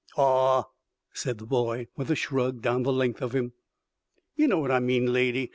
"Awe," said the boy, with a shrug down the length of him, "yer know what I mean, lady.